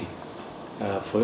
phát triển ghép tạng